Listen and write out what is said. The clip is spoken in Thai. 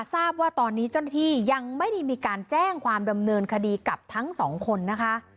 ทราบว่าตอนนี้เจ้าหน้าที่ยังไม่ได้มีการแจ้งความดำเนินคดีกับทั้งสองคนนะคะ